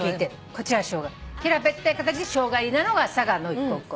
平べったい形でショウガ入りなのが佐賀の逸口香。